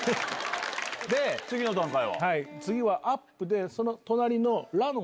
で次の段階は？